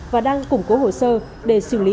và đang củng cố hồ sơ để xử lý